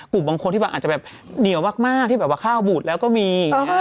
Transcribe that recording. กลุ่มบางคนอาจจะเหนียวมากที่แบบว่าข้าวบุตรแล้วก็มี